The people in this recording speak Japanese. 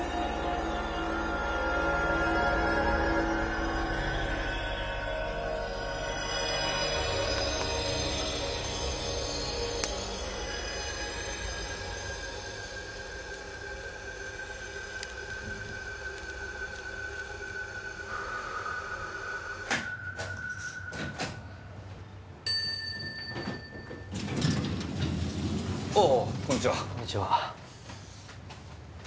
こんにちは。